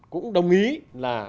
cũng đồng ý là